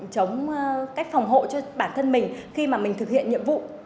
chống cách phòng hộ cho bản thân mình khi mà mình thực hiện nhiệm vụ